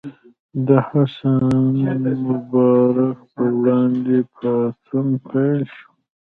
د حسن مبارک پر وړاندې پاڅون پیل شو.